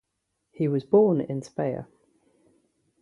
He was born in Speyer.